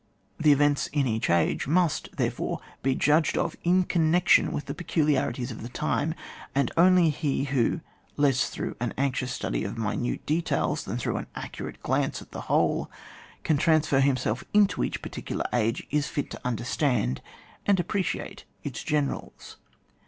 The events in each age must, therefore, be judged of in connection with the pecu liarities of the time, and only he who, less through an anxious study of minute details than through an accurate glance at the whole, can transfer himself into each particular age, is fit to understand and appreciate its generals.